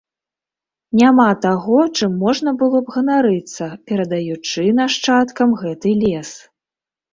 Няма таго, чым можна было б ганарыцца, перадаючы нашчадкам гэты лес.